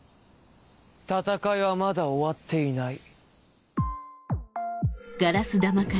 戦いはまだ終わっていない。